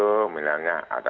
pengendalian faktor resiko